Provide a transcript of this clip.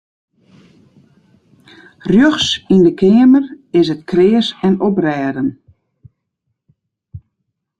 Rjochts yn de keamer is it kreas en oprêden.